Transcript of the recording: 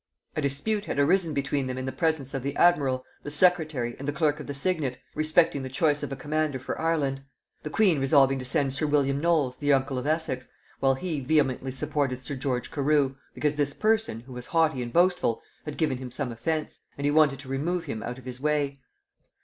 A dispute had arisen between them in presence of the admiral, the secretary, and the clerk of the signet, respecting the choice of a commander for Ireland; the queen resolving to send sir William Knolles, the uncle of Essex, while he vehemently supported sir George Carew, because this person, who was haughty and boastful, had given him some offence; and he wanted to remove him out of his way.